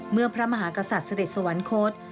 พระมหากษัตริย์เสด็จสวรรคต